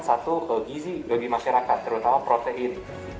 satu ke gizi bagi masyarakat terutama protein